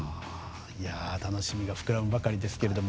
楽しみが膨らむばかりですけれども。